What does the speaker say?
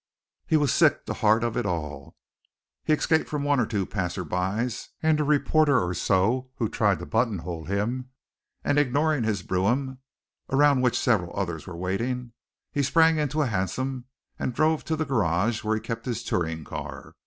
He was sick to heart of it all. He escaped from one or two passers by, and a reporter or so who tried to buttonhole him, and ignoring his brougham, around which several others were waiting, he sprang into a hansom and drove to the garage where he kept his touring car.